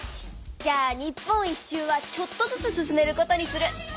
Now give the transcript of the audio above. じゃあ日本一周はちょっとずつ進めることにする！